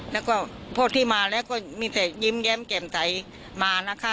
แล้วก็พวกที่มาแล้วก็มีแต่ยิ้มแย้มแจ่มใสมานะคะ